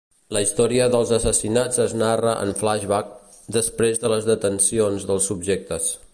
La història dels assassinats es narra en flashback, després de les detencions dels subjectes.